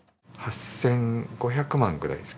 ８５００万ぐらいです。